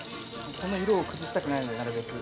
この色を崩したくないのでなるべく。